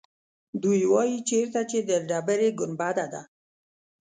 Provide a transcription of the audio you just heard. دوی وایيچېرته چې د ډبرې ګنبده ده.